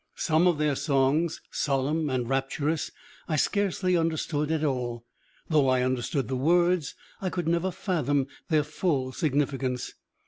Some of their songs, solemn and rapturous, I scarcely understood at all. Though I understood the words I could never fathom their full significance.